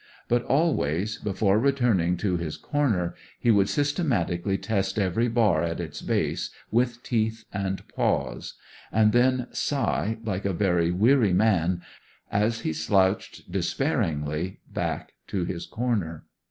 But always, before returning to his corner, he would systematically test every bar at its base with teeth and paws; and then sigh, like a very weary man, as he slouched despairingly back to his corner.